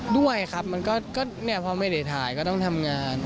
ด้วยครับมันก็พอไม่ได้ถ่ายก็ต้องทำงาน